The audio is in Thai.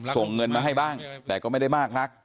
ส่งเงินมาให้บ้างแต่ก็ไม่ได้มากนัก